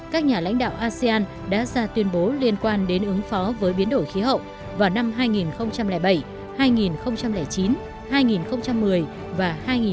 các nhà lãnh đạo asean đã ra tuyên bố liên quan đến ứng phó với biến đổi khí hậu vào năm hai nghìn bảy hai nghìn chín hai nghìn một mươi và hai nghìn một mươi